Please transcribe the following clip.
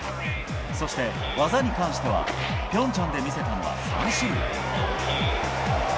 そして、技に関しては平昌で見せたのは３種類。